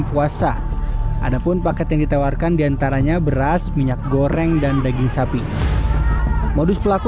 puasa ada pun paket yang ditawarkan diantaranya beras minyak goreng dan daging sapi modus pelaku